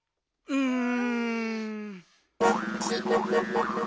うん。